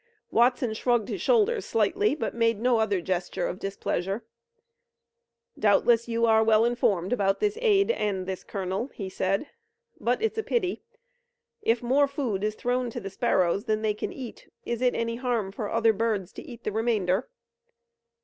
Watson shrugged his shoulders slightly, but made no other gesture of displeasure. "Doubtless you are well informed about this aide and this colonel," he said, "but it's a pity. If more food is thrown to the sparrows than they can eat, is it any harm for other birds to eat the remainder?"